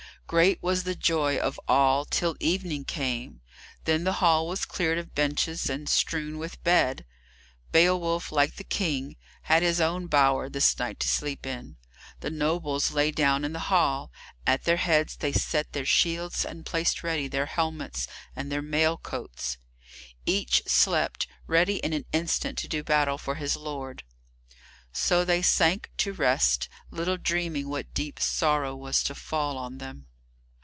Great was the joy of all till evening came. Then the hall was cleared of benches and strewn with beds. Beowulf, like the King, had his own bower this night to sleep in. The nobles lay down in the hall, at their heads they set their shields and placed ready their helmets and their mail coats. Each slept, ready in an instant to do battle for his lord. So they sank to rest, little dreaming what deep sorrow was to fall on them.